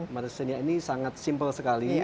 maksudnya ini sangat simple sekali